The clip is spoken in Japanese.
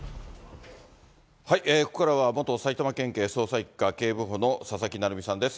ここからは元埼玉県警捜査１課警部補の佐々木成三さんです。